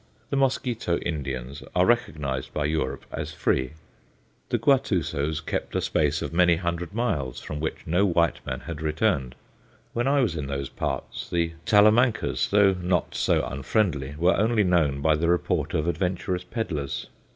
The Mosquito Indians are recognized by Europe as free; the Guatusos kept a space of many hundred miles from which no white man had returned; when I was in those parts, the Talamancas, though not so unfriendly, were only known by the report of adventurous pedlars.